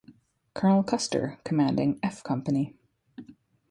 Colonel Custer, commanding F Company.